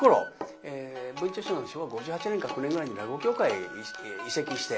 文朝師匠が昭和５８年か５９年ぐらいに落語協会へ移籍して。